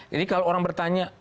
jadi kalau orang bertanya